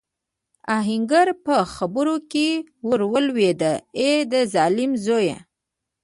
آهنګر په خبره کې ور ولوېد: اې د ظالم زويه!